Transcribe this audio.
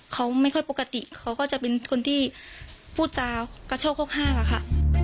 เขาไม่ค่อยปกติเขาก็จะเป็นคนที่พูดจากกระโชคโฮกห้างอะค่ะ